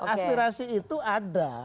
aspirasi itu ada